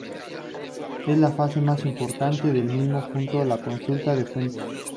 Es la fase más importante del mismo junto a la consulta de fuentes.